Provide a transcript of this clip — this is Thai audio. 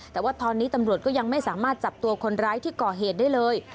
แต่ว่าตอนนี้ตำรวจก็ยังไม่สามารถจับตัวคนร้ายที่ก่อเหตุได้เลย